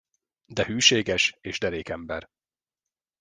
De hűséges és derék ember.